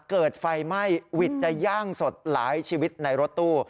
เกิดไฟไหม้วิทย์จะย่างสดหลายชีวิตในรถตู้